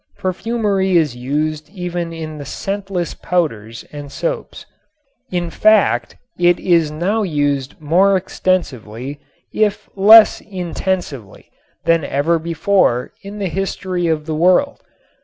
Perfumery is used even in the "scentless" powders and soaps. In fact it is now used more extensively, if less intensively, than ever before in the history of the world.